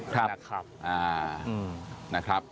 ครับนะครับ